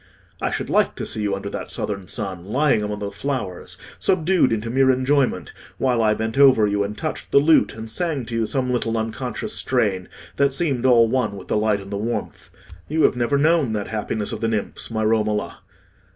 I should like to see you under that southern sun, lying among the flowers, subdued into mere enjoyment, while I bent over you and touched the lute and sang to you some little unconscious strain that seemed all one with the light and the warmth. You have never known that happiness of the nymphs, my Romola."